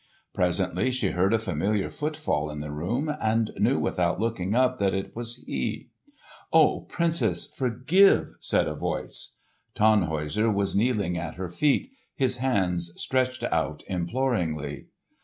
Presently she heard a familiar footfall in the room, and knew without looking up that it was he. "O Princess, forgive!" said a voice. Tannhäuser was kneeling at her feet, his hands stretched out imploringly.